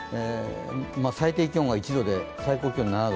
最低気温が１度で最高気温が７度、